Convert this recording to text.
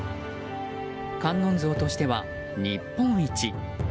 観音像としては日本一。